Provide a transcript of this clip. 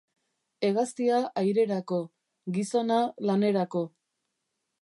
Hegaztia airerako, gizona lanerako.